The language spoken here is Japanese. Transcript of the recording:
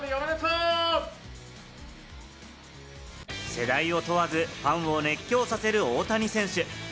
世代を問わず、ファンを熱狂させる大谷選手。